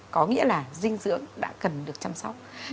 có nghĩa là dinh dưỡng đã cần được chăm sóc